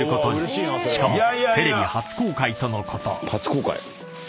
［しかもテレビ初公開とのこと］